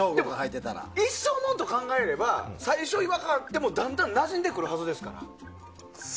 でも、一生モノと考えれば最初、違和感あってもだんだんなじんでくるはずですから。